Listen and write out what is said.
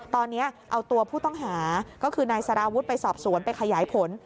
ตอนนี้เอาตัวผู้ต้องหาก็คือนายสารวุฒิไปสอบสวนไปขยายผล